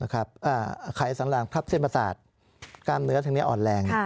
ขายสารางพรับเส้นปศาสตร์กล้ามเนื้อทั้งนี้อ่อนแรง